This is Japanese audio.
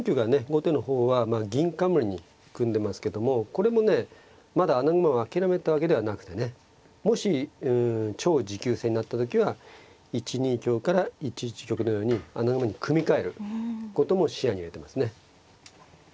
後手の方は銀冠に組んでますけどもこれもねまだ穴熊を諦めたわけではなくてねもし超持久戦になった時は１二香から１一玉のように穴熊に組み替えることも視野に入れてますね。